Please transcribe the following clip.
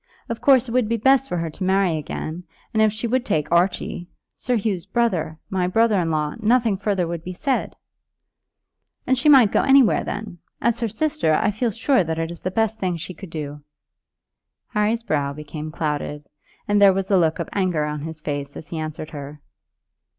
Of course it would be best for her to marry again; and if she would take Archie, Sir Hugh's brother, my brother in law, nothing further would be said. She might go anywhere then. As her sister, I feel sure that it is the best thing she could do." Harry's brow became clouded, and there was a look of anger on his face as he answered her.